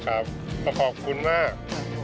ครับขอบคุณมาก